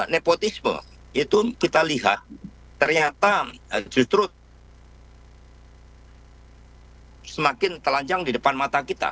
nepotisme itu kita lihat ternyata justru semakin telanjang di depan mata kita